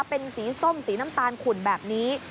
เป็นสีส้มสีน้ำตาลขุ่นแบบนี้